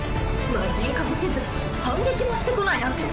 魔神化もせず反撃もしてこないなんて。